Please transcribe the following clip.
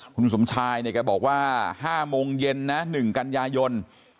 คุณสมชายก็บอกว่า๕โมงเย็นนะ๑กันยายน